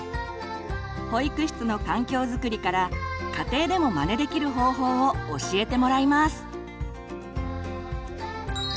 保育室の環境づくりから家庭でもまねできる方法を教えてもらいます。